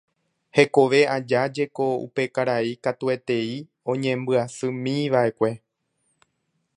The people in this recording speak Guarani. Hekove aja jeko upe karai katuetei oñembyasymíva'ekue